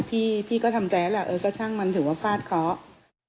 พี่ก็ทำแจละเออก็ช่างมันถึงว่าฟาดเคาะ